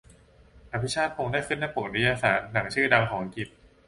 "อภิชาติพงศ์" ได้ขึ้นหน้าปกนิตยสารหนังชื่อดังของอังกฤษ